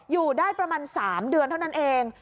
อยู่ได้ประมาณ๓เดือนเท่านั้นเอง